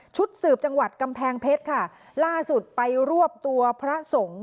สืบจังหวัดกำแพงเพชรค่ะล่าสุดไปรวบตัวพระสงฆ์